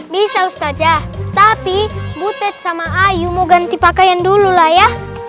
bisa ustadz tapi bu ted sama ayu mau ganti pakaian dulu lah ya